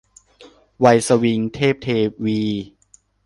วัยสวิง - เทพเทวี